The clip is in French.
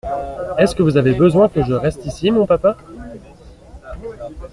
Est-ce que vous avez besoin que je reste ici, mon papa ?